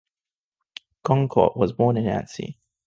Goncourt was born in Nancy.